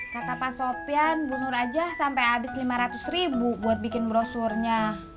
kata pak sopian bunur aja sampe abis lima ratus ribu buat bikin brosurnya